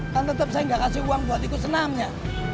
kan tetep saya gak kasih uang buat ikut senamnya